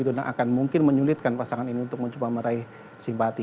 akan mungkin menyulitkan pasangan ini untuk mencoba meraih simpati